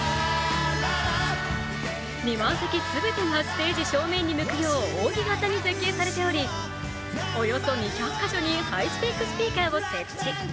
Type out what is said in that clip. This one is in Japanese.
２万席全てがステージ正面に向くよう扇形に設計されておりおよそ２００か所にハイスペックスピーカーを設置。